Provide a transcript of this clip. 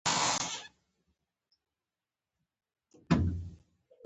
زه تقریباً شل یا دېرش متره لرې ورپسې روان وم.